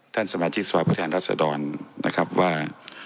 ท่านสมาชิกสภาประธานรัฐสดรนะครับว่า